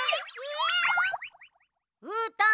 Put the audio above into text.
うーたん